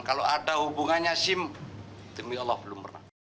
kalau ada hubungannya sim demi allah belum pernah